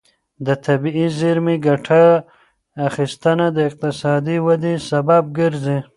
د طبیعي زېرمې ګټه اخیستنه د اقتصادي ودې سبب ګرځي.